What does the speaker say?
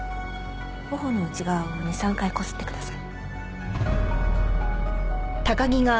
頬の内側を２３回こすってください。